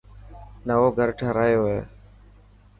نئوو گھر ٺارايو هي.